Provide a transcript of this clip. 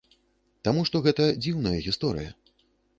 Таму што гэта дзіўная гісторыя.